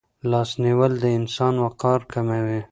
لاس نیول د انسان وقار کموي.